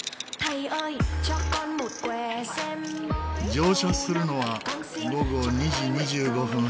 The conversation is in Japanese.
乗車するのは午後２時２５分発